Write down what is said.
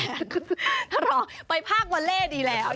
ถ้ารอไปพากวาเล่ดีแหละ